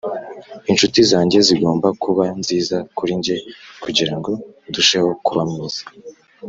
inshuti zanjye zigomba kuba nziza kuri njye kugirango ndusheho kuba mwiza.